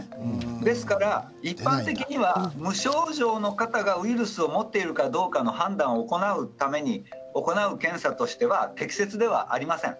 ですから一般的には無症状の方がウイルスを持っているかどうかの判断を行うために行う検査としては適切ではありません。